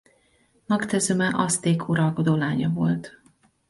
Moctezuma azték uralkodó lánya volt.